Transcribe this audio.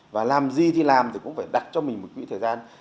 và làm gì thì làm thì cũng phải đặt cho mình một quỹ thời gian